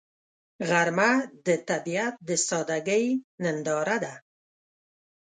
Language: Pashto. غرمه د طبیعت د سادګۍ ننداره ده